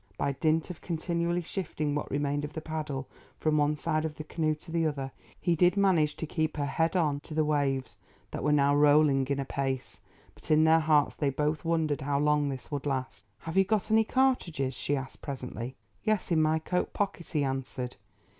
By dint of continually shifting what remained of the paddle from one side of the canoe to the other, he did manage to keep her head on to the waves that were now rolling in apace. But in their hearts they both wondered how long this would last. "Have you got any cartridges?" she asked presently. "Yes, in my coat pocket," he answered.